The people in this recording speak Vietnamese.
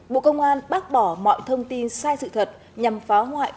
bộ công an bác bỏ mọi thông tin sai sự thật nhằm phá hoại